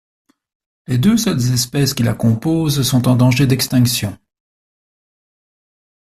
Les deux seules espèces qui la composent sont en danger d'extinction.